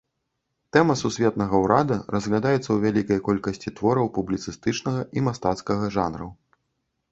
Тэма сусветнага ўрада разглядаецца ў вялікай колькасці твораў публіцыстычнага і мастацкага жанраў.